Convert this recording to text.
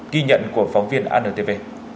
ghi nhận của phóng viên anntv